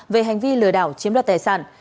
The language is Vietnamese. về hành vi lừa đảo chiếm đoạt tài sản